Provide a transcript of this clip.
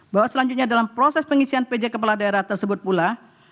bahwa selanjutnya dalam proses pengisian pj kepala daerah tersebut pula